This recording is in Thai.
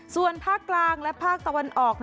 ส่วนภาคกลางและภาคตะวันออก